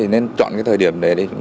nên chọn thời điểm để